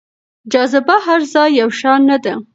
جاذبه هر ځای يو شان نه ده.